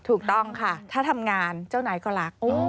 ถูกต้องค่ะถ้าทำงานเจ้านายก็รัก